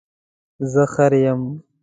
زه خر یم